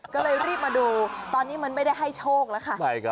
ก็เลยรีบมาดูตอนนี้มันไม่ได้ให้โชคแล้วค่ะ